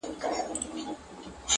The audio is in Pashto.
• د تعلیم پر ضد ښکنځل او پوچ ویل وه -